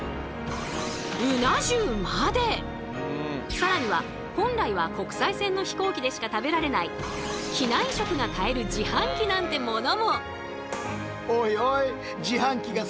更には本来は国際線の飛行機でしか食べられない機内食が買える自販機なんてものも。